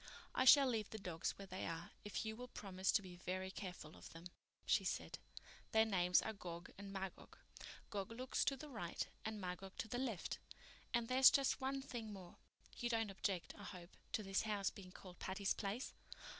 "I shall leave the dogs where they are, if you will promise to be very careful of them," she said. "Their names are Gog and Magog. Gog looks to the right and Magog to the left. And there's just one thing more. You don't object, I hope, to this house being called Patty's Place?"